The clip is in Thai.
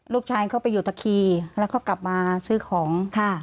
ลูกชายเค้าไปอยุธกรีแล้วเค้ากลับมาซื้อของ